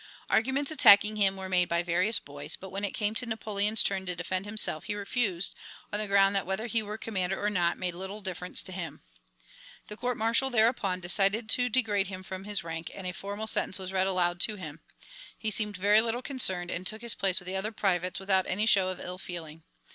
Arguments attacking him were made by various boys, but when it came to Napoleon's turn to defend himself he refused, on the ground that whether he were commander or not made little difference to him. The court martial thereupon decided to degrade him from his rank and a formal sentence was read aloud to him. He seemed very little concerned, and took his place with the other privates without any show of ill feeling.